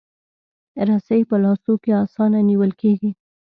رسۍ په لاسو کې اسانه نیول کېږي.